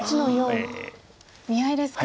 見合いですか。